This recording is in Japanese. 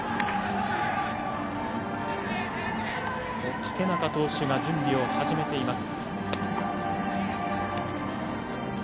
竹中投手が準備を始めています。